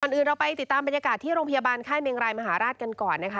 อื่นเราไปติดตามบรรยากาศที่โรงพยาบาลค่ายเมงรายมหาราชกันก่อนนะคะ